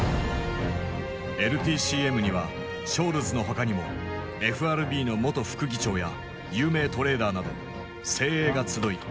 ＬＴＣＭにはショールズの他にもＦＲＢの元副議長や有名トレーダーなど精鋭が集い